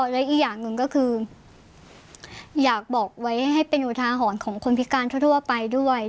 และอีกอย่างหนึ่งก็คืออยากบอกไว้ให้เป็นอุทาหรณ์ของคนพิการทั่วไปด้วย